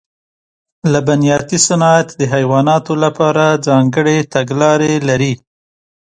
لبنیاتي صنعت د حیواناتو لپاره ځانګړې تګلارې لري.